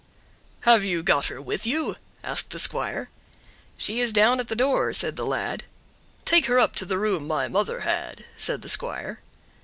"Have you got her with you?" asked the squire. "She is down at the door," said the lad. "Take her up to the room my mother had," said the squire.